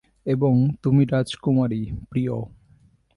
এবং তুমি রাজকুমারী, প্রিয়।